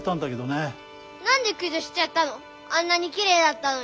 あんなにきれいだったのに！